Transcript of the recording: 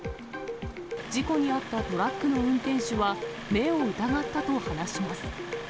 事故に遭ったトラックの運転手は、目を疑ったと話します。